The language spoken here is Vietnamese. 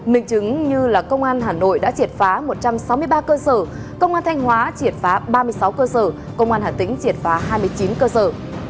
mình chứng như công an hà nội đã triệt phá một trăm sáu mươi ba cơ sở công an thanh hóa triệt phá ba mươi sáu cơ sở công an hà tĩnh triệt phá hai mươi chín cơ sở